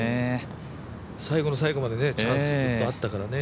最後の最後までチャンスずっとあったからね。